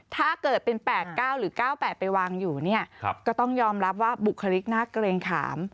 ถ้าเกิดเป็น๘๙หรือ๙๘ไปวางอยู่เนี่ยก็ต้องยอมรับว่าบุคลิกน่าเกรงขาม